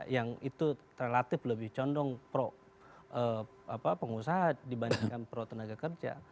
yang itu relatif lebih condong pro pengusaha dibandingkan pro tenaga kerja